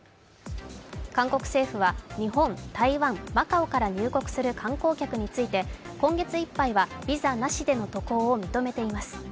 韓国政府は日本、台湾、マカオから入国する観光客について今月いっぱいは、ビザなしでの渡航を認めています。